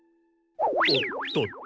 おっとっとっと。